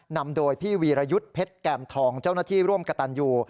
นำโดยพี่วีรยุทธ์เพชรแก่มทองเจ้าหน้าที่ร่วมกับตันยู